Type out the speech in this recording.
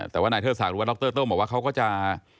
แต่ว่านายเทิดศักดิ์หรือว่าดรโติ้งบอกว่าเขาก็จะ